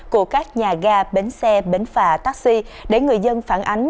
của các nhà ga bến xe bến phà taxi để người dân phản ánh